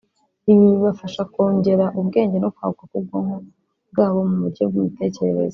ibi bibafasha kungera ubwenge no kwaguka kw’ubwonko bwabo mu buryo bw’imitekerereze